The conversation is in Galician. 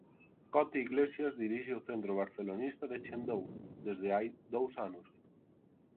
Cote Iglesias dirixe o centro barcelonista de Chendou desde hai dous anos.